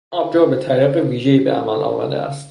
این آبجو به طریق ویژهای به عمل آمده است.